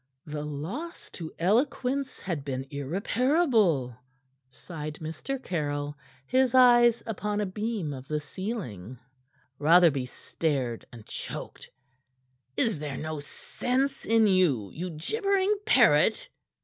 "The loss to eloquence had been irreparable," sighed Mr. Caryll, his eyes upon a beam of the ceiling. Rotherby stared and choked. "Is there no sense in you, you gibbering parrot?"